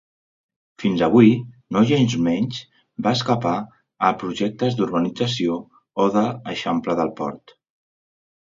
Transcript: Fins avui, nogensmenys va escapar a projectes d'urbanització o d'eixample del port.